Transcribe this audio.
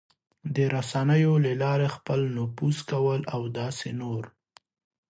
د رسنیو له لارې خپل نفوذ کول او داسې نور...